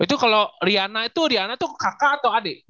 itu kalau riana itu riana itu kakak atau adik